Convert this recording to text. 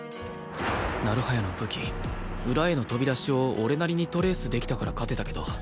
成早の武器裏への飛び出しを俺なりにトレースできたから勝てたけど